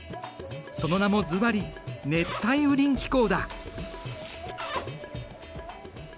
その名もずばり熱帯雨林気候だ。